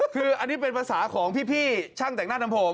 คืออันนี้เป็นภาษาของพี่ช่างแต่งหน้าทำผม